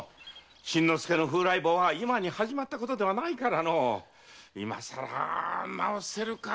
新之助の風来坊は今に始まったことではないから今さら直せるかどうか。